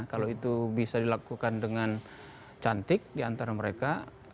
kalau itu bisa dilakukan dengan cantik diantara mereka